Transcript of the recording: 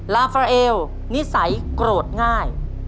ลาฟราเอลนิสัยโกรธง่าย